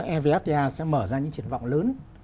evfta sẽ mở ra những triển vọng lớn